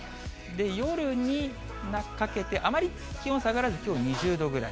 夜にかけて、あまり気温下がらず、きょう２０度くらい。